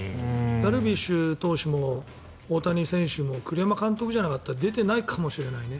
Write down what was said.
ダルビッシュ投手も大谷選手も栗山監督じゃなかったら出てないかもしれないね。